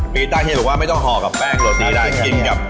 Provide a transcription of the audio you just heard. มีต้าเฮียบอกว่าไม่ต้องห่อกับแป้งโรตี้ได้กินกับ